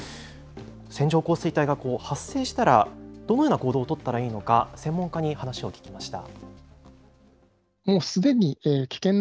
線状降水帯が発生したらどのような行動を取ったらいいのか専門家に話を聞きました。